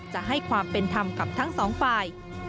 จะให้ความเป็นธรรมกับทั้งสองฝ่าย